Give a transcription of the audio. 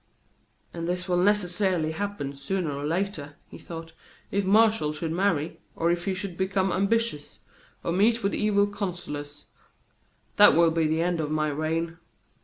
"And this will necessarily happen sooner or later," he thought. "If Martial should marry, or if he should become ambitious, or meet with evil counsellors, that will be the end of my reign."